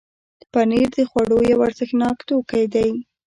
پنېر د خوړو یو ارزښتناک توکی دی.